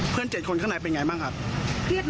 เพื่อนทำให้เรามั่นใจขนาดนั้นหรอ